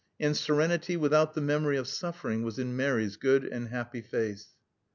And serenity without the memory of suffering was in Mary's good and happy face.